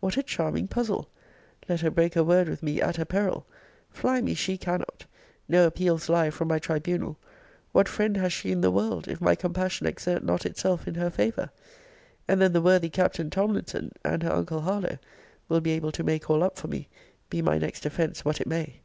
what a charming puzzle! Let her break her word with me at her peril. Fly me she cannot no appeals lie from my tribunal What friend has she in the world, if my compassion exert not itself in her favour? and then the worthy Captain Tomlinson, and her uncle Harlowe, will be able to make all up for me, be my next offence what it may.